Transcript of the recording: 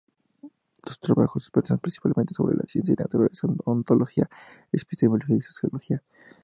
Sus trabajos versan principalmente sobre la ciencia y la naturaleza: ontología, epistemología y sociología.